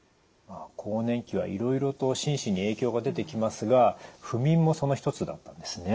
更年期はいろいろと心身に影響が出てきますが不眠もその一つだったんですね。